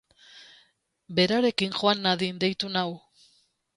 Berarekin joan nadin deitu nau.